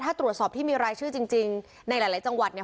ถ้าตรวจสอบที่มีรายชื่อจริงในหลายจังหวัดเนี่ย